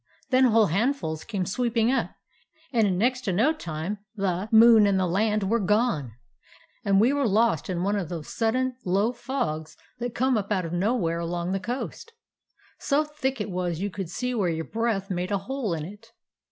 Then whole handfuls came sweeping up ; and in next to no time the 225 DOG HEROES OF MANY LANDS moon and the land were gone, and we were lost in one of those sudden low fogs that come up out of nowhere along the coast. So thick it was you could see where your breath made a hole in it.